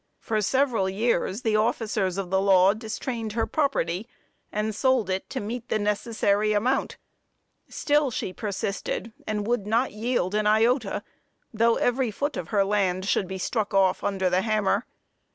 For several years, the officers of the law distrained her property, and sold it to meet the necessary amount; still she persisted, and would not yield an iota, though every foot of her lands should be struck off under the hammer.